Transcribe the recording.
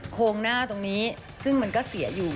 โครงหน้าตรงนี้ซึ่งมันก็เสียอยู่